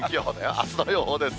あすの予報です。